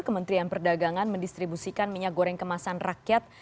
kementerian perdagangan mendistribusikan minyak goreng kemasan rakyat